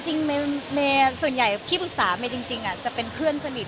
เมย์ส่วนใหญ่ที่ปรึกษาเมย์จริงจะเป็นเพื่อนสนิท